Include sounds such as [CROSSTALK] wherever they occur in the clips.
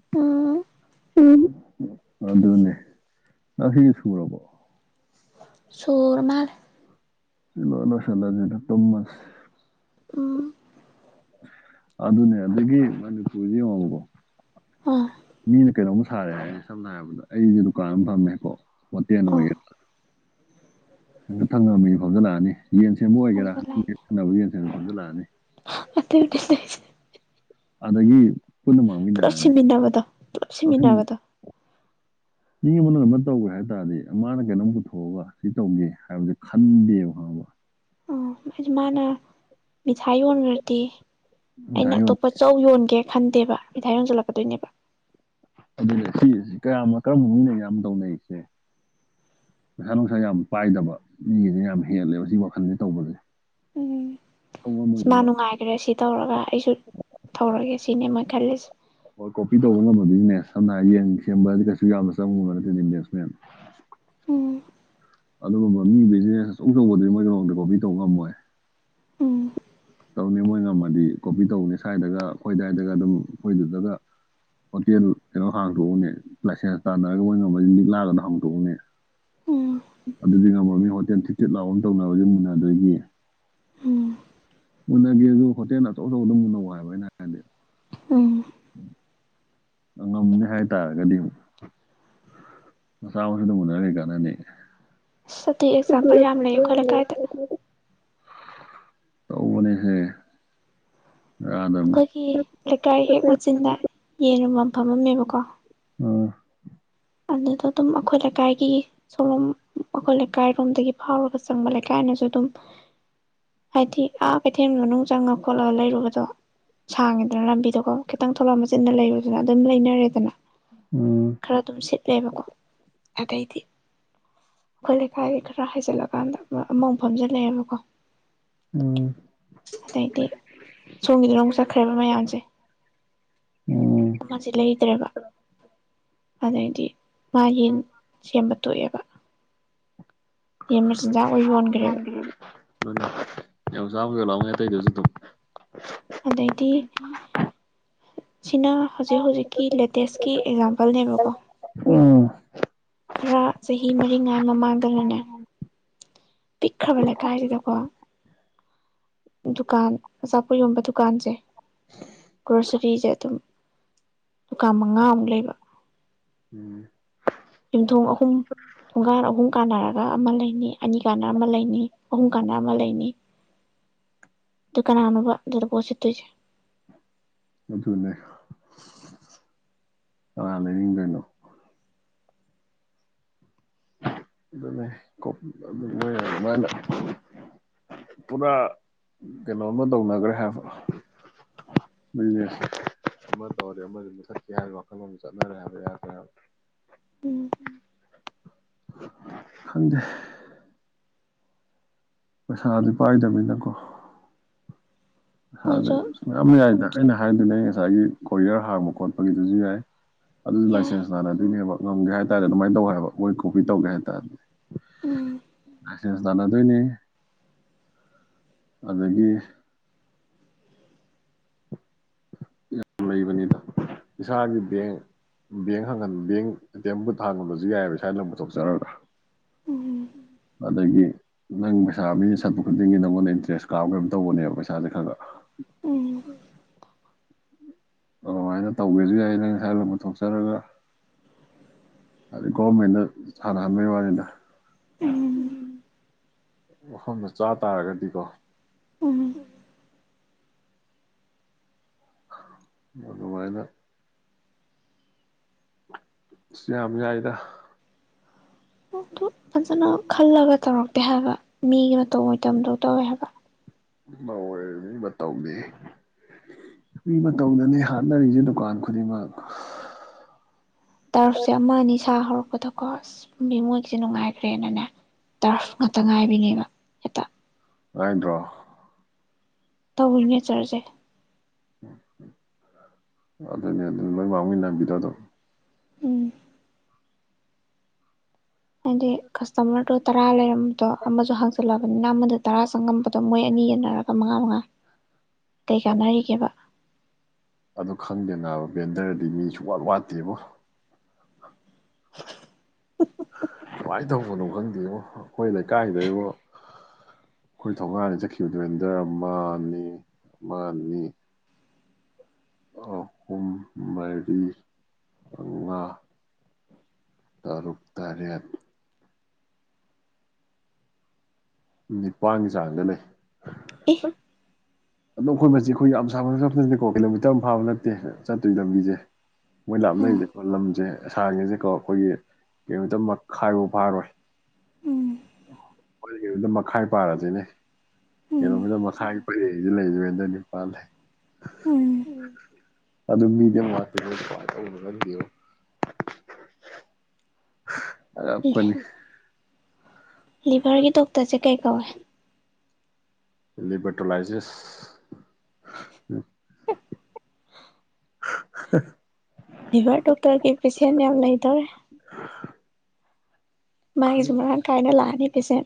ꯎꯝ ꯑꯗꯨꯅꯦ ꯉꯁꯤꯒꯤ ꯁꯨꯔꯕꯣ ꯁꯣꯔ ꯃꯥꯜꯂ‌ꯦ ꯁꯤꯂꯣꯏ ꯂ‌ꯣꯏꯁꯤꯜꯂꯁꯤꯗ ꯇꯨꯝꯃꯁꯤ ꯎꯝ ꯑꯗꯨꯅꯦ ꯑꯗꯨꯗꯒꯤ ꯃꯅꯤꯄꯨꯔꯁꯤ ꯌꯦꯡꯉꯕꯀꯣ ꯑꯥ ꯃꯤꯅ ꯀꯩꯅꯣꯝ ꯁꯥꯔꯦ ꯑꯩꯅ ꯁꯝꯅ ꯍꯥꯏꯔꯕꯗ ꯑꯩꯁ‌ꯦ ꯗꯨꯀꯥꯟ ꯑꯃ ꯐꯝꯃꯦꯕꯀꯣ ꯍꯣꯇꯦꯜ ꯑꯥ ꯑꯣꯏꯒꯦꯔꯥ ꯅꯪꯒ ꯊꯪꯅꯅꯥ ꯃꯤ ꯐꯝꯖꯜꯂꯛꯑꯅꯤ ꯌꯦꯟ ꯁꯦꯝꯕ ꯑꯣꯏꯒꯦꯔꯥ ꯑꯗꯨꯅꯦ ꯅꯪ ꯊꯪꯅꯕ ꯌꯦꯟ ꯁꯦꯝꯕ ꯐꯝꯖꯜꯂꯛꯑꯅꯤ ꯑꯇꯩ [UNINTELLIGIBLE] ꯑꯗꯒꯤ ꯄꯨꯟꯅ ꯄꯨꯂꯞ ꯃꯥꯡꯃꯤꯟꯅꯔꯅꯤ ꯁꯤꯃꯤꯅꯕꯥꯗ‌ꯣ ꯄꯨꯂꯞ ꯁꯤꯃꯤꯅꯕꯥꯗ‌ꯣ ꯃꯤ ꯑꯃꯅ ꯀꯩꯅ‌ꯣꯝ ꯇꯧꯒ꯭ꯔ‌‌ꯦ ꯍꯥꯏ ꯇꯥꯔꯗꯤ ꯃꯥꯅ ꯀꯩꯅꯣꯝ ꯄꯨꯊꯣꯛꯑꯒ ꯁꯤ ꯇꯧꯒꯦ ꯍꯥꯏꯕꯁ ꯈꯟꯗꯦꯕ ꯈꯪꯉꯕ ꯎ [INAUDIBLE] ꯍꯥꯏꯗꯤ ꯃꯥꯅ ꯃꯤꯊꯥꯏ ꯌꯣꯟꯒ꯭ꯔꯗꯤ ꯑꯩꯅ ꯉꯁꯥꯏꯒꯤ ꯑꯇꯣꯞꯄ ꯆꯧ ꯌꯣꯟꯒꯦ ꯈꯟ ꯗꯦꯕ ꯃꯤꯊꯥꯏ ꯌꯣꯟꯖꯜꯂꯛꯀꯗꯣꯏꯅꯦꯕ ꯑꯗꯨꯅꯦ ꯁꯤ ꯀꯌꯥꯝ ꯀꯔꯝꯕ ꯃꯤꯡꯅ ꯌꯥꯝꯌꯥꯝ ꯇꯧꯅꯩꯁꯦ ꯄꯩꯁꯥ ꯅꯨꯡꯁꯥ ꯌꯥꯝ ꯄꯥꯏꯗꯕ ꯃꯤꯒꯤꯗꯤ ꯌꯥꯝ ꯍꯦꯜꯂꯦꯕ ꯁꯤ ꯋꯥꯈꯜꯖꯤ ꯇꯧꯕꯁꯦ ꯎꯝ ꯇꯧ ꯃꯥ ꯉꯝꯃꯣꯏꯗꯕ ꯅꯨꯡꯉꯥꯏꯈ꯭ꯔꯦ ꯁꯤ ꯇꯧꯔꯒ ꯑꯩꯁꯨ ꯇꯧꯔꯒꯦ ꯁꯤꯅꯤ ꯃꯈꯜꯂꯤꯁꯤ ꯍꯣꯏ ꯀꯣꯄꯤ ꯇꯧꯕ ꯉꯝꯕꯗꯨꯖꯤꯅꯦ ꯁꯝꯅ ꯍꯥꯏ ꯌꯦꯡ ꯁꯦꯝꯕꯗꯤ ꯀꯩꯁꯨ ꯌꯥꯝꯅ ꯆꯪꯕ ꯅꯠꯇꯦꯗꯤ ꯏꯟꯚꯦꯁꯃꯦꯟ ꯑꯝ ꯑꯗꯨꯒꯨꯝꯕ ꯃꯤ ꯕꯤꯖꯤꯅꯦꯁ ꯑꯆꯧ ꯑꯆꯧꯕꯗꯨꯗꯤ ꯃꯣꯏꯒꯤ ꯃꯔꯗ ꯀꯣꯄꯤ ꯇꯧꯕ ꯉꯝꯃꯣꯏ ꯎꯝ ꯇꯧꯅꯤ ꯃꯣꯏ ꯉꯝꯃꯗꯤ ꯀꯣꯄꯤ ꯇꯧꯅꯤ ꯁ꯭ꯋꯥꯏꯗꯒ ꯑꯩꯈꯣꯏ ꯑꯗꯨꯋꯥꯏꯗꯒ ꯑꯗꯨꯝ ꯑꯩꯈꯣꯏꯗꯨꯗꯒ ꯍꯣꯇꯦꯜ ꯀꯩꯅꯣ ꯍꯥꯡꯇꯣꯛꯎꯅꯦ ꯂꯥꯏꯁꯦꯟꯁ ꯇꯥꯟꯅꯔꯒ ꯃꯣꯏꯅ ꯉꯝꯃꯗꯤ ꯂꯤꯛꯂꯥꯒ ꯍꯥꯡꯇꯎꯅꯦ [INAUDIBLE] ꯑꯗꯨꯗꯤ ꯉꯝꯃ‌ꯣꯏ ꯃꯤ ꯍꯣꯇꯦꯜ ꯊꯤꯠ ꯊꯤꯠ ꯂꯥꯎꯕ ꯑꯃꯥ ꯇꯧꯅꯕꯒꯤ ꯃꯨꯟꯅꯗꯣꯏꯒꯤ ꯎꯝ ꯃꯨꯟꯅꯒꯦ ꯑꯗꯨ ꯍꯣꯇꯦꯜ ꯑꯆꯧ ꯑꯆꯧꯕ ꯑꯗꯨꯝ ꯃꯨꯟꯅ‌ꯎ ꯍꯥꯏꯕ ꯑꯩꯅ ꯍꯥꯏꯗꯤ ꯎꯝ ꯉꯝꯅꯦ ꯍꯥꯏꯇꯥꯔꯒꯗꯤ ꯑꯃꯨꯛ ꯃꯆꯥ ꯃꯁꯨꯗꯨ ꯃꯨꯟꯅꯔꯥꯒ ꯀꯩ ꯀꯟꯅꯥꯅꯤ ꯑꯁ ꯑꯗꯨꯏ ꯁ ꯑꯦꯛꯖꯥꯝꯄꯜ ꯌꯥꯝ ꯂꯩ ꯑꯩꯈꯣꯏ [UNINTELLIGIBLE] ꯂꯩꯀꯥꯏꯗ ꯇꯧ ꯕꯅꯤ ꯍꯦ ꯑꯩꯈꯣꯏꯒꯤ ꯂꯩꯀꯥꯏ ꯍꯦꯛ ꯃꯆꯤꯟꯗ ꯌꯦꯟꯨ ꯌ‌ꯣꯟꯕꯝ ꯐꯝꯃꯝꯃꯦꯕꯀꯣ ꯑꯥ ꯑꯗꯨꯗ ꯑꯗꯨꯝ ꯑꯩꯈꯣꯏ ꯂꯩꯀꯥꯏꯒꯤ ꯁꯣꯂꯣꯝ ꯑꯩꯈꯣꯏ ꯂꯩꯀꯥꯏꯔꯣꯝꯗꯒꯤ ꯐꯥꯎꯔꯒ ꯆꯪꯕ ꯂꯩꯀꯥꯏꯅꯁꯨ ꯑꯗꯨꯝ ꯍꯥꯏꯗꯤ ꯑꯥ ꯀꯩꯊꯦꯜ ꯃꯅꯨꯡ ꯆꯪꯉ ꯈꯣꯠꯂꯒ ꯂꯩꯔꯨꯕꯗꯣ ꯁꯥꯡꯉꯦꯗꯅ ꯂꯝꯕꯤꯗꯣꯀꯣ ꯈꯤꯇꯪ ꯊꯣꯂꯥ ꯃꯆꯤꯟꯅ ꯂꯩꯔꯨꯗꯅ ꯑꯗꯨꯝ ꯂꯩꯅꯔꯦꯗꯅ ꯎꯝ ꯈꯔ ꯑꯗꯨꯝ ꯁꯤꯠ ꯂ‌ꯦꯕꯀꯣ ꯑꯗꯩꯗꯤ ꯑꯩꯈꯣꯏ ꯂꯩꯀꯥꯏꯒꯤ ꯈꯔ ꯍꯥꯏꯖꯜꯂꯛꯒ ꯀꯥꯟꯗ ꯑꯃꯥꯃꯨꯛ ꯐꯝꯖꯤꯜ ꯂ‌ꯦꯕꯀꯣ ꯎꯝ ꯑꯗꯩꯗꯤ ꯁꯣꯝꯒꯤꯗꯨꯗ ꯆꯠꯈ꯭ꯔꯦꯕ ꯃꯌꯥꯝꯁꯦ ꯎꯝ ꯑꯃꯥꯁꯤ ꯂꯩꯗ‌꯭ꯔꯦꯕ ꯑꯗꯩꯗꯤ ꯃꯥ ꯌꯦꯟ ꯁꯦꯝꯕ ꯇꯣꯛꯑꯦꯕ ꯌꯦꯟ ꯃꯆꯤꯟꯖꯥꯛ ꯑꯣꯏ ꯌꯣꯟꯈ꯭ꯔꯦꯕ ꯊ [UNINTELLIGIBLE] [INAUDIBLE] ꯑꯗꯩꯗꯤ ꯁꯤꯅ ꯍꯧꯖꯤꯛ ꯍꯧꯖꯤꯛꯀꯤ ꯂꯦꯇꯦꯁꯀꯤ ꯑꯦꯛꯖꯥꯝꯄꯜꯅꯦꯕꯀꯣ ꯎꯝ ꯈꯔ ꯆꯍꯤ ꯃꯔꯤꯉꯥꯏ ꯃꯃꯥꯡꯗꯅꯅꯦ ꯄꯤꯛꯈ꯭ꯔꯕ ꯂꯦ ꯀꯥꯗꯤꯗꯀꯣ ꯗꯨꯀꯥꯟ ꯑꯆꯥꯄꯣꯠ ꯌꯣꯟꯕ ꯗꯨꯀꯥꯟꯁꯦ ꯒ꯭ꯔꯣꯁꯔꯤꯁꯦ ꯑꯗꯨꯝ ꯗꯨꯀꯥꯟ ꯃꯉꯥꯃꯨꯛ ꯂꯩꯕ ꯎꯝ ꯌꯨꯝꯊꯣꯡ ꯑꯍꯨꯝ ꯊꯨꯡꯒꯥꯟ ꯑꯍꯨꯝ ꯀꯥꯟꯅꯔꯒ ꯑꯃ ꯂꯩꯅꯤ ꯑꯅꯤ ꯀꯥꯟꯅ ꯑꯃ ꯂꯩꯅꯤ ꯑꯍꯨꯝ ꯀꯥꯟꯅ ꯑꯃ ꯂꯩꯅꯤ ꯑꯗꯨꯗꯨ ꯀꯥꯟꯅ ꯑꯃꯅꯕ ꯑꯗꯨꯗ ꯄꯣꯁꯤ ꯇꯣꯏꯁꯦ ꯑꯗꯨꯅꯦ ꯀꯅꯥ ꯂꯩꯅꯤꯡꯗꯣꯏꯅꯣ ꯑꯗꯨꯅꯦ ꯀꯣꯕꯤꯇ ꯑꯃꯨꯛ ꯄꯨꯔꯥ ꯀꯩꯅꯣꯃ ꯇꯧꯅꯈ꯭ꯔꯦ ꯍꯥꯏꯕ ꯅꯦꯁ ꯑꯃ ꯇꯧꯔꯤ ꯑꯃꯗ ꯃꯊꯠꯀ ꯍꯥꯏꯕ ꯋꯥꯈꯜꯂꯣꯟ ꯆꯠꯅꯔꯦ ꯍꯥꯏꯕ ꯌꯥ ꯀ ꯎꯝ ꯈꯪꯗꯦ ꯈꯪꯗꯦ ꯄꯩꯁꯥꯗꯤ ꯄꯥꯏꯗꯕꯅꯤꯅꯀꯣ ꯃꯣꯏꯁꯨ ꯃꯌꯥꯝ ꯌꯥꯏꯗꯅ ꯑꯩꯅ ꯍꯥꯏꯗꯨꯅꯦ ꯉꯁꯥꯏꯒꯤ ꯀꯣꯔꯤꯌꯔ ꯍꯥꯡꯕ ꯈꯣꯠꯄꯒꯤꯗꯨꯁꯨ ꯌꯥꯏ ꯑꯗꯨꯗꯤ ꯌꯥꯏ ꯂꯥꯏꯁꯦꯟꯁ ꯇꯥꯅꯗꯣꯏꯅꯦꯕ ꯉꯝꯒꯦ ꯍꯥꯏꯇꯥꯔꯦ ꯑꯗꯨꯃꯥꯏꯅ ꯇꯧꯋꯦ ꯍꯥꯏꯕ ꯃꯣꯏ ꯀꯣꯐꯤ ꯇꯧꯒꯦ ꯍꯥꯏꯇꯥꯔꯗꯤ ꯎꯝ ꯂꯥꯏꯁꯦꯟꯁ ꯇꯥꯟꯅꯗꯣꯏꯅꯦ ꯑꯗꯒꯤ ꯌꯥꯝ ꯂꯩꯕꯅꯤꯗ ꯏꯁꯥꯒꯤ ꯕꯦꯡ ꯕꯦꯡ ꯍꯥꯡꯟ ꯕꯦꯡ ꯑꯦꯇꯤ ꯑꯦꯝ ꯕꯨꯠ ꯍꯥꯡꯟꯕꯁꯨ ꯌꯥꯏ ꯁꯋꯥꯏꯗ ꯄꯨꯊꯣꯛꯆꯔꯒ ꯎꯝ ꯑꯗꯒꯤ ꯅꯪ ꯄꯩꯁꯥ ꯃꯤꯅ ꯁꯠꯄ ꯈꯨꯗꯤꯡꯒꯤ ꯅꯪꯉꯣꯟꯗ ꯏꯟꯇꯔꯦꯁ ꯀꯥꯞ ꯀꯩꯅꯝ ꯇꯧꯕꯅꯦꯕ ꯄꯩꯁꯥꯁꯦ ꯈꯔ ꯈꯔ ꯎꯝ ꯑꯗꯨꯃꯥꯏꯅ ꯇꯧꯒꯦꯁꯨ ꯌꯥꯏ ꯅꯪ ꯉꯁ ꯄꯨꯊꯣꯛꯆꯔꯒ ꯒꯣꯃꯦꯟꯅ ꯇꯅꯥꯍꯟꯕ ꯋꯥꯅꯤꯅ ꯎꯝ ꯃꯐꯝꯗ ꯆꯥ ꯇꯥꯔꯒꯗꯤꯀꯣ ꯎꯝ ꯃꯗꯨꯃꯥꯏꯅ ꯌꯥꯝ ꯌꯥꯝ ꯌꯥꯏꯗ ꯑꯗꯨ ꯐꯖꯅ ꯈꯜꯂꯒ ꯇꯧꯔꯛꯇꯦ ꯍꯥꯏꯕ ꯃꯤꯒꯤ ꯃꯇꯧ ꯑꯣꯏꯝꯗꯣ ꯇꯧꯋꯦ ꯍꯥꯏꯕ ꯇꯧꯋꯦ ꯃꯤ ꯃꯇꯧꯗꯤ ꯑꯗꯨꯏ ꯃꯤ ꯃꯇꯧꯗꯅꯦ ꯍꯥꯠꯅꯔꯤꯁꯦ ꯗꯨꯀꯥꯟ ꯈꯨꯗꯤꯡꯃꯛ ꯇꯥꯔꯁ ꯑꯃꯅꯤ ꯁꯥ ꯍꯧꯔꯛꯄꯗꯀꯣ ꯑꯁ ꯃꯤ ꯃꯣꯏꯒꯤꯁꯦ ꯅꯨꯡꯉꯥꯏꯈ꯭ꯔꯦꯅꯅꯦ ꯇꯔꯐ ꯉꯥꯛꯇ ꯉꯥꯏꯕꯤꯅꯦꯕ ꯍꯦꯛꯇ ꯍꯥꯏꯥꯏꯗ꯭ꯔꯣ ꯇꯧꯔꯤꯅꯦ ꯆꯔꯁꯦ ꯎ ꯎ ꯑꯗꯨꯅꯤ ꯑꯗꯨꯝ ꯂꯣꯏ ꯃꯥꯡꯃꯤ ꯅꯝꯕꯤꯔ ꯑꯗꯨꯝ ꯎꯝ ꯍꯥꯏꯗꯤ ꯀꯁꯇꯃꯔꯗꯣ ꯇꯔꯥ ꯂꯩꯔꯝꯕꯗꯣ ꯑꯃꯁꯨ ꯍꯥꯡꯆꯜꯂꯛꯑꯕꯅꯤꯅ ꯑꯃꯗ ꯇꯔꯥ ꯆꯪꯉꯝꯕꯗꯣ ꯃꯣꯏ ꯑꯅꯤ ꯌꯦꯟꯅꯔꯒ ꯃꯉꯥ ꯃꯉꯥ ꯇ ꯀꯥꯟꯅꯔꯤꯒꯦꯕ ꯈꯪꯗꯦꯕ ꯕꯦꯟꯗꯔꯗꯤ ꯃꯤꯁꯨ ꯋꯥꯠ ꯋꯥꯠꯇꯦꯕꯨ [INAUDIBLE] ꯀꯃꯥꯏꯅ ꯇꯧꯕꯅꯣ ꯈꯪꯗꯦꯕꯣ ꯑꯩꯈꯣꯏ ꯂꯩꯀꯥꯏꯗꯕꯣ ꯑꯩꯈꯣꯏ ꯊꯣꯡꯒꯥꯟꯗ ꯆꯠꯈꯤꯕꯗ ꯕꯦꯟꯗꯔ ꯑꯃ ꯑꯅꯤ ꯑꯃ ꯑꯅꯤ ꯑꯍꯨꯝ ꯃꯔꯤ ꯃꯉꯥ ꯇꯔꯨꯛ ꯇꯔꯦꯠ ꯅꯤꯄꯥꯟꯒꯤ ꯆꯥꯡꯗ ꯂꯩ ꯑꯦ ꯑꯣꯗꯣ ꯑꯩꯈꯣꯏ ꯃꯆꯤ ꯑꯩꯈꯣꯏ ꯌꯥꯝ ꯁꯥꯡꯅ ꯆꯠꯄ ꯅꯠꯇꯦꯀꯣ ꯀꯤꯂꯣꯃꯤꯇꯔ ꯑꯃ ꯐꯥꯕ ꯅꯠꯇꯦ ꯆꯠꯇꯣꯏ ꯂꯝꯕꯤꯁꯦ ꯃꯣꯏ ꯎꯝ ꯂꯥꯞꯅꯔꯤꯁꯦꯀꯣ ꯂꯝꯖꯦ ꯁꯥꯡꯉꯤꯁꯦꯀꯣ ꯑꯈꯣꯏꯒꯤ ꯀꯤꯂꯣꯃꯤꯇꯔ ꯃꯈꯥꯏ ꯐꯧ ꯐꯥꯔꯣꯏ ꯎꯝ ꯑꯩꯈꯣꯏ ꯀꯤꯂꯣꯃꯤꯇꯔ ꯃꯈꯥꯏ ꯄꯥꯔꯁꯤꯅꯦ ꯀꯤꯂꯣꯃꯤꯇꯔ ꯎꯝ ꯃꯈꯥꯏ [UNINTELLIGIBLE] ꯕꯦꯟꯗꯔ ꯅꯤꯄꯥꯟ ꯂꯩ ꯎꯝ ꯑꯗꯨ ꯃꯤꯗꯤ ꯑꯝ ꯋꯥꯇꯦꯕꯣ ꯀꯃꯥꯏ ꯇꯧꯕꯅꯣ ꯈꯪꯗꯦꯕꯣ ꯑꯗ ꯑꯈꯣꯏꯅꯤ ꯂꯤꯚꯔꯒꯤ ꯗꯣꯛꯇꯔꯁꯦ ꯀꯩ ꯀꯧꯏ ꯂꯤꯕꯔꯇꯣꯂꯥꯏꯁꯤꯁ [UNINTELLIGIBLE] [UNINTELLIGIBLE] ꯂꯤꯚꯔ ꯗꯣꯛꯇꯔꯒꯤ ꯄꯦꯁꯦꯟ ꯌꯥꯝ ꯂꯩꯗꯧꯔꯦ ꯃꯥꯥꯏꯁꯨ ꯃꯔꯥꯡ ꯀꯥꯏꯅ ꯂꯥꯛꯑꯅꯤ ꯄꯦꯁꯦꯟ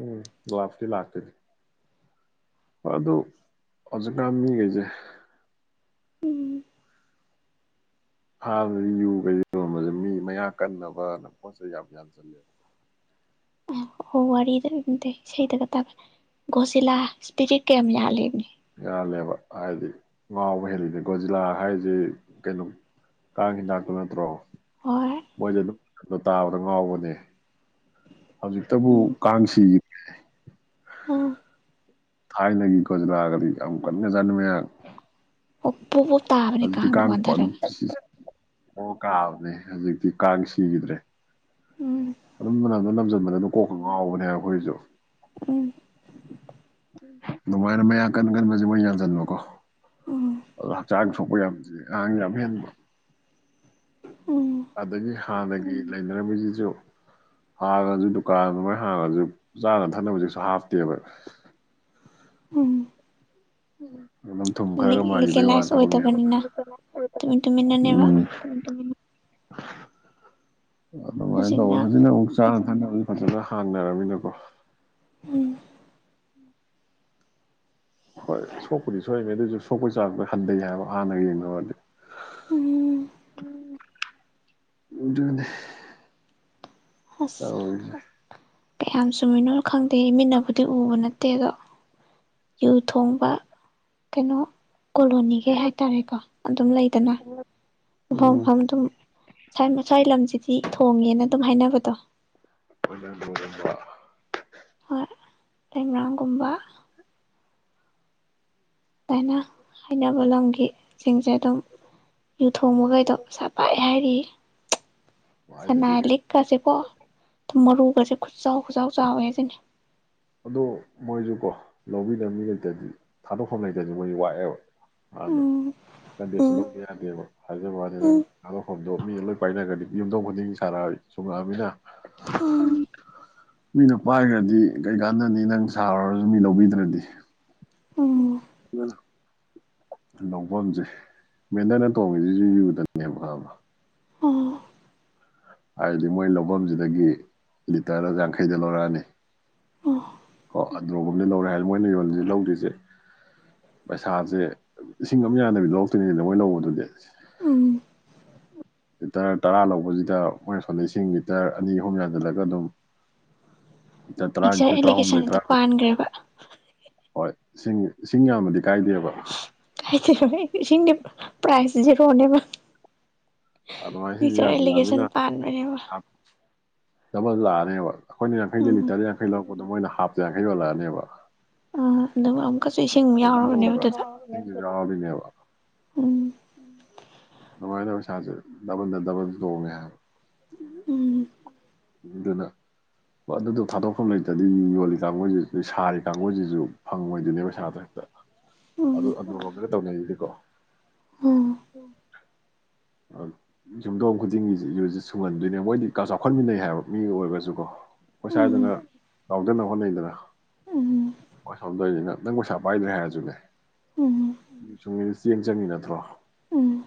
ꯎꯝ ꯂꯥꯛꯄꯨꯗꯤ ꯂꯥꯛꯇꯣꯏꯅꯤ ꯍꯣꯏ ꯑꯗꯨ ꯍꯧꯖꯤꯛꯀꯥꯟ ꯃꯤꯒꯩꯖꯦ ꯎꯝ ꯍꯥꯟꯅꯗꯤ ꯌꯨꯒꯁꯦꯀꯣ ꯃꯖꯦ ꯃꯤ ꯃꯌꯥꯛ ꯀꯟꯅꯕꯅ ꯄꯣꯠ ꯆꯩ ꯌꯥꯝ ꯌꯥꯟꯖꯤꯜꯂꯦꯕꯀꯣ ꯑꯣ ꯋꯥꯔꯤꯗ ꯅꯠꯇꯦ ꯏꯁꯩꯗꯒ ꯇꯥꯕ ꯒꯣꯖꯤꯂꯥ ꯏꯁꯄꯤꯔꯤꯠ ꯀ ꯌꯥꯝ ꯌꯥꯜꯂꯦꯃꯤ ꯌꯥꯜꯂꯦꯕ ꯍꯥꯏꯗꯤ ꯉꯥꯎꯕ ꯍꯦꯜꯂꯤꯅꯦ ꯒꯣꯖꯤꯂꯥ ꯍꯥꯏꯁꯦ ꯀꯩꯅꯣ ꯀꯥꯡ ꯍꯤꯗꯥꯛꯇꯨ ꯅꯠꯇ꯭ꯔꯣ ꯍꯣꯏ ꯃꯣꯏꯗꯤ ꯑꯗꯨꯝ ꯕꯗꯣ ꯇꯥꯕꯗ ꯉꯥꯎꯕꯅꯦ ꯍꯧꯖꯤꯛꯇꯕꯨ ꯎꯝ ꯀꯥꯡꯁꯤꯒꯤ ꯎꯝ ꯊꯥꯏꯅꯒꯤ ꯒꯣꯖꯤꯂꯥꯒꯗꯤ ꯌꯥꯝ ꯀꯟꯒ꯭ꯔꯖꯥꯠꯅꯤ ꯃꯌꯥꯛ ꯑꯣ ꯄꯣꯞ ꯄꯣꯞ ꯇꯥꯕꯅꯦ ꯀꯥꯡꯗꯣ ꯋꯥꯟꯊꯔꯒ ꯑꯣ ꯀꯥꯕꯅꯦ ꯍꯧꯖꯤꯛꯇꯤ ꯀꯥꯡ ꯁꯤꯒꯤꯗ꯭ꯔꯦ ꯎꯝ ꯑꯗꯨꯝ ꯃꯅꯝꯗꯣ ꯅꯝꯖꯟꯕ ꯑꯗꯨ ꯀꯣꯛ ꯀ ꯉꯥꯎꯕꯅꯦ ꯑꯈꯣꯏꯖꯨ ꯎꯝ ꯑꯗꯨꯃꯥꯏꯅ ꯃꯌꯥꯛ ꯀꯟ ꯀꯟꯕꯖꯦ ꯃꯣꯏꯅ ꯌꯥꯟꯖꯟꯕ ꯀꯣ ꯑꯣ ꯑꯗꯨꯅ ꯍꯛꯆꯥꯡ ꯁꯣꯛꯄ ꯌꯥꯝꯖꯤ ꯑꯉꯥꯡ ꯌꯥꯝ ꯍꯦꯟꯕ ꯎꯝ ꯑꯗꯒꯤ ꯍꯥꯟꯅꯒꯤ ꯂꯩꯅꯔꯝꯃꯤꯖꯤꯁꯨ ꯍꯥꯡꯉꯒꯁꯨ ꯗꯨꯀꯥꯟ ꯑꯗꯨꯃꯥꯏ ꯍꯥꯡꯉꯒꯁꯨ ꯆꯥꯅ ꯊꯛꯅꯕꯖꯤꯁꯨ ꯍꯥꯞꯇꯦꯕ ꯎꯝ ꯎꯝ ꯑꯗꯨꯝ ꯊꯨꯝ ꯈꯔꯒ ꯂꯤꯛ ꯃꯔꯤꯕꯩ ꯋꯥ ꯂꯤꯀꯦꯂꯥꯏꯁ ꯊꯕꯛꯅꯦꯕ ꯑꯣꯏꯗꯕꯅꯤꯅ ꯇꯨꯃꯤꯟ [UNINTELLIGIBLE] ꯇꯨꯃꯤꯟꯅꯅꯦꯕ ꯎꯝ ꯑꯗꯨꯃꯥꯥꯏ ꯇꯧꯕ ꯍꯧꯖꯤꯛꯅ ꯑꯃꯨꯛ ꯆꯥꯝ ꯁꯥꯟꯅꯕꯗꯤ ꯐꯖꯅ ꯍꯥꯡꯅꯔꯕꯃꯤꯅꯀꯣ ꯎꯝ ꯍꯣꯏ ꯁꯣꯛꯄꯗꯤ ꯁꯣꯏꯃꯦ ꯑꯗꯨꯏꯁꯨ ꯁꯣꯛꯄꯩ ꯆꯥꯥꯡꯗꯣ ꯍꯟꯗꯩ ꯍꯥꯏꯕ ꯍꯥꯟꯅꯒ ꯌꯦꯡꯅꯔꯨꯗꯤ ꯎꯝ ꯎꯗꯅꯦ ꯑꯁ ꯀꯌꯥꯝ ꯆꯨꯝꯃꯤꯣꯏꯅꯣ ꯈꯪꯗꯦ ꯃꯤꯠꯅꯕꯨꯗꯤ ꯎꯕ ꯅꯠꯇꯦ ꯏꯠꯇꯦꯗꯣ ꯌꯨ ꯊꯣꯡꯕ ꯀꯩꯅꯣ ꯀꯣꯂꯣꯅꯤꯒꯩ ꯍꯥꯏꯇꯥꯔꯦꯀꯣ ꯑꯗꯨꯝ ꯂꯩꯗꯅ ꯃꯐꯝ ꯎꯝ ꯃꯐꯝ ꯑꯗꯨꯝ ꯃꯁ꯭ꯋꯥꯏ ꯂꯝꯁꯤꯗꯤ ꯍꯣꯡꯉꯦꯅ ꯑꯗꯨꯝ ꯍꯥꯏꯅꯕꯗꯣ ꯑꯣꯏꯔꯝ ꯑꯣꯏꯔꯝꯕ ꯂꯩꯥꯏꯃꯦꯔꯥꯡꯒꯨꯝꯕꯥ ꯑꯗꯨꯥꯏꯅ ꯍꯥꯏꯅꯕ ꯂꯝꯈꯤꯦ ꯁꯤꯡꯁꯦ ꯑꯗꯨꯝ ꯌꯨ ꯊꯣꯡꯕꯈꯩꯗꯣ ꯃꯁꯥ ꯄꯥꯛꯑ ꯍꯥꯏꯔꯤ ꯍꯥꯏꯗꯗꯤ ꯁꯅꯥꯏ ꯂꯤꯛꯀꯁꯦꯀꯣ ꯃꯔꯨꯒꯁꯦ ꯈꯨꯆꯥꯎ ꯈꯨꯆꯥꯎ ꯑꯗꯨ ꯃꯣꯏꯁꯨ ꯀꯣ ꯂꯧꯕꯤ ꯂꯝꯕꯤ ꯂꯩꯇꯗꯤ ꯊꯥꯗꯣꯛꯐꯝ ꯂꯩꯇꯗꯤ ꯃꯣꯏ ꯋꯥꯠꯑꯦꯕ ꯑꯅ ꯎꯝ ꯎꯝ ꯀꯟꯗꯧꯕ ꯌꯥꯗꯦꯕ ꯍꯥꯏꯖꯕꯅꯤ ꯅꯪ ꯎꯝ ꯑꯗꯣ ꯃꯤ ꯂꯣꯏ ꯄꯥꯏꯅꯈ꯭ꯔꯗꯤ ꯌꯨꯝꯊꯣꯡ ꯈꯨꯗꯤꯡꯒꯤ ꯁꯥꯥꯟꯔ ꯁꯨꯡꯉꯛꯑꯃꯤꯅ ꯎꯝ ꯃꯤꯅ ꯄꯥꯏꯈ꯭ꯔꯗꯤ ꯀꯩꯀꯥꯟꯗꯅꯤ ꯅꯪ ꯁꯥꯔꯨꯔꯁꯨ ꯃꯤ ꯂꯧꯕꯤꯗ꯭ꯔꯗꯤ ꯑꯣ ꯑꯗꯨꯅ ꯂꯧꯐꯝꯁꯦ ꯃꯦꯟꯗꯅ ꯇꯣꯡꯉꯤꯁꯤꯁꯨ ꯌꯨꯗꯅꯦꯕꯕ ꯑꯣ ꯍꯥꯏꯗꯤ ꯃꯣꯏ ꯂꯧꯐꯝꯁꯤꯗꯒꯤ ꯂꯤꯇꯔ ꯌꯥꯡꯈꯩꯗ ꯂꯧꯔꯛꯑꯅꯤ ꯑꯣ ꯑꯣ ꯑꯗꯨꯣꯕꯝꯗꯤ ꯂꯧꯔꯦ ꯍꯥꯏ ꯃꯣꯏꯅ ꯌꯣꯟꯜꯂꯤꯁꯤ ꯂꯧꯗ꯭ꯔꯤꯁꯦ ꯄꯩꯁꯥꯁꯦ ꯏꯁꯤꯡ ꯑꯃ ꯌꯥꯗꯕꯤ ꯂꯧꯔꯛꯇꯣꯏꯅꯤꯁꯤꯗ ꯃꯣꯏ ꯂꯧꯕ ꯑꯗꯨꯗꯤ ꯎꯝ ꯂꯤꯇꯔ ꯇꯔꯥ ꯂꯧꯕꯁꯤꯗ ꯃꯣꯏꯅ ꯁꯣꯝꯗ ꯂꯤꯁꯤꯡ ꯂꯤꯇꯔ ꯑꯅꯤ ꯑꯍꯨꯝ ꯌꯥꯟꯁꯤꯜꯂꯒ ꯑꯗꯨꯝ ꯂꯤꯇꯔ ꯃꯤꯛꯆꯔ ꯇꯔꯥꯅꯤꯊꯣꯏ ꯇꯔꯥꯍꯨꯝꯗꯣꯏ ꯑꯦꯄꯂꯤꯀꯦꯁꯟꯗꯨꯗ ꯇꯔꯥꯃꯔꯤ ꯄꯥꯟꯈ꯭ꯔꯦꯕ ꯍꯣꯏ ꯏꯁꯤꯡ ꯏꯁꯤꯡ ꯌꯥꯝꯃꯗꯤ ꯀꯥꯏꯗꯦꯕ ꯁꯤ ꯄ꯭ꯔꯥꯏꯁꯀꯣꯅꯦꯕ ꯑꯗꯨꯃꯥꯏꯅ ꯁꯤꯡꯁꯦ ꯅꯆꯔ ꯑꯦꯂꯤꯒꯦꯁꯟ ꯌꯥꯟꯁꯤꯜꯂꯛꯑꯃꯤꯅ ꯄꯥꯟꯕꯅꯦꯕ ꯗꯕꯜ ꯂꯥꯛꯑꯅꯦꯕ ꯑꯩꯈꯣꯏꯅ ꯌꯥꯡꯈꯩꯗ ꯎꯝ ꯂꯤꯇꯔ ꯌꯥꯡꯈꯩ ꯂꯧꯔꯛꯄꯗ ꯃꯣꯏꯅ ꯍꯥꯞꯇ ꯌꯥꯡꯈꯩ ꯌꯣꯜꯂꯛꯑꯅꯦꯕ ꯑꯥ ꯑꯗꯨꯒ ꯑꯃꯨꯛꯀꯁꯨ ꯏꯁꯤꯡ ꯑꯃꯨꯛ ꯌꯥꯎꯔꯕꯅꯦꯕ ꯑꯗꯨꯗ ꯇꯣꯗ꯭ꯔꯕꯤꯅꯦꯕ ꯎꯝ ꯑꯗꯨꯃꯥꯏꯅ ꯄꯩꯁꯥꯥꯁꯦ ꯗꯕꯟꯗ ꯗꯕꯟ ꯇꯣꯡꯉꯦ ꯎꯝ ꯗꯨꯅ ꯍ ꯑꯗꯨꯗꯣ ꯊꯥꯗꯣꯛꯐꯝ ꯂꯩꯇ꯭ꯔꯗꯤ ꯌꯣꯜꯂꯤ ꯀꯥꯡꯕꯨꯁꯤ ꯁꯥꯔꯤ ꯀꯥꯡꯕꯨꯁꯤꯁꯨ ꯐꯪꯉꯣꯏꯗꯣꯏꯅꯦꯕ ꯄꯩꯁꯥꯗ ꯍꯦꯛꯇ ꯎꯝ ꯑꯗꯨ ꯑꯉꯒ ꯇꯧꯅ ꯌꯦꯗꯤꯀꯣ ꯎꯝ ꯌꯨꯝꯊꯣꯡ ꯈꯨꯗꯤꯡꯒꯤ ꯌꯨꯁꯤ ꯁꯨꯡꯍꯟꯗꯣꯏꯅꯦ ꯃꯣꯏꯗꯤ ꯀ ꯆꯥꯎꯈꯠꯃꯤꯟꯅꯩ ꯕ ꯃꯤ ꯑꯣꯏꯔꯁꯨꯀꯣ ꯑꯩꯣꯏ ꯎꯝ ꯁ꯭ꯋꯥꯏꯗꯅ ꯌꯥꯎꯗꯅꯕ ꯍꯣꯠꯅꯩꯗꯅ ꯃꯥ ꯁꯣꯝꯗꯧꯅꯤ ꯅꯪ ꯅꯪ ꯄꯩꯁꯥ ꯄꯥꯏꯗ꯭ꯔꯦ ꯍꯥꯏꯔꯁꯨꯅꯦ ꯎꯝ ꯁꯨꯝ ꯏꯅ ꯌꯦꯡ ꯆꯪꯉꯤ ꯅꯠꯇ꯭ꯔꯣ ꯎꯝ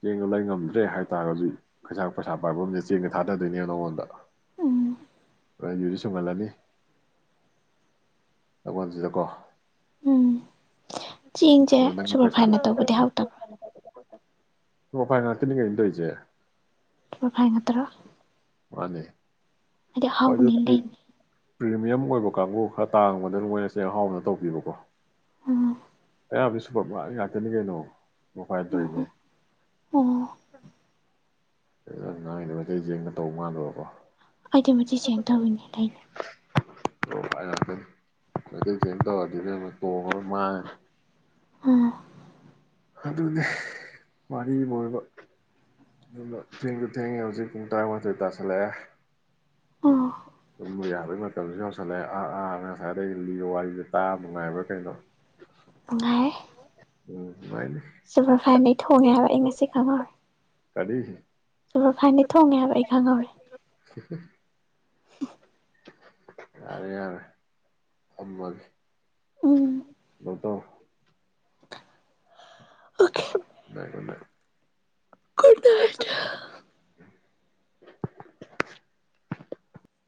ꯆꯦꯡꯒ ꯂꯩ ꯉꯝꯗ꯭ꯔꯦ ꯍꯥꯏꯕꯇꯥꯔꯒꯗꯤ ꯀꯩꯁꯥ ꯄꯩꯁꯥ ꯄꯥꯏꯕ ꯑꯃꯅꯦ ꯆꯦꯡꯒ ꯊꯥꯗꯣꯏꯅꯦꯕ ꯅꯉꯣꯟꯗ ꯎꯝ ꯍꯣꯏ ꯑꯗꯨꯗꯤ ꯁꯨꯡꯍꯜꯂꯅꯤ ꯂꯣꯟꯁꯤꯗꯀꯣ ꯎꯝ ꯆꯦꯡꯁꯦ ꯑꯗꯨꯒ ꯅꯪꯒꯤ ꯁꯨꯄꯔ ꯐꯥꯏꯅ ꯇꯧꯕꯗꯤ ꯍꯥꯎꯇꯕ꯭ꯔꯥ ꯑꯣ ꯐꯥꯏ ꯉꯇꯅ ꯀꯩ ꯇꯣꯆꯦ ꯐꯥꯏꯅꯠꯇ꯭ꯔ ꯃꯥꯅꯦ ꯂꯩꯅꯤ ꯄꯝ ꯑꯣꯏꯕ ꯀꯥꯡꯕꯨ ꯈꯔ ꯇꯥꯡꯕꯗ ꯃꯣꯏꯅ ꯆꯦꯡꯍꯥꯎꯅ ꯇꯧꯕꯤꯕꯀꯣ ꯎ ꯑꯌꯥꯝꯕ ꯁ ꯄ ꯉꯥꯛꯇꯅꯤ ꯀꯩꯅꯣ ꯃꯐꯥꯏꯅꯦ ꯑꯣ ꯑꯣ ꯅꯥꯏꯗ ꯃꯩꯇꯩ ꯌꯦꯡꯕ ꯇꯧ ꯃꯥꯟꯗꯕꯀꯣ ꯑꯗꯨꯗꯤ ꯃꯇꯤꯛ ꯁꯦꯡ ꯇꯧꯔꯤꯅꯦ ꯂꯩꯅꯦ ꯇ ꯇꯣꯡꯉ ꯃꯥ ꯑꯥ ꯑꯗꯨꯅꯦ ꯃꯔꯤ ꯃꯕ ꯊ ꯇꯨ ꯊ ꯍꯧꯖꯤꯨꯡ ꯇꯥꯏ ꯇ ꯇꯁꯂꯦ ꯑꯥ ꯑꯗꯨꯕ ꯌꯥꯕꯒꯤ ꯃꯇꯝꯁꯨ ꯌꯧꯁꯜꯂꯛꯑꯦ ꯑꯥ ꯑꯥ ꯉꯁꯥꯏꯗꯩ ꯂꯤꯒ ꯋꯥꯔꯤꯁꯦ ꯇꯥꯕ ꯅꯨꯡꯉꯥꯏꯕ꯭ꯔꯥ ꯀꯩꯅꯣ ꯉꯥꯏ ꯍꯣꯥꯏꯅꯦ ꯁꯨꯄꯔ ꯐꯥꯏꯟꯗꯩ ꯊꯣꯡꯉꯦ ꯍꯥꯏꯕ ꯑꯩ ꯉꯁꯤ ꯈꯪꯍꯧꯔꯦ ꯀꯔꯤꯁꯤ ꯁꯨꯔ ꯈꯥꯏꯗꯤ ꯊꯣꯡꯉꯦ ꯍꯥꯏꯕ ꯑꯩ ꯈꯪꯍꯧꯔꯦ ꯌꯥꯔꯦ ꯌꯥꯔꯦ ꯊꯃꯒ ꯎꯝ ꯇꯧ ꯑꯣꯀꯦ [INAUDIBLE] ꯀꯔꯗ ꯍꯥꯏꯇ [INAUDIBLE]